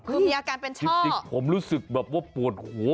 คือมีอาการเป็นชีวิตจริงผมรู้สึกแบบว่าปวดหัว